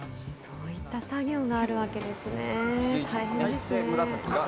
そういった作業があるわけですね。